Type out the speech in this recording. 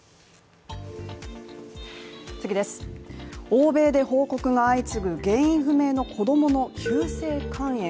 欧米で報告が相次ぐ原因不明の子供の急性肝炎。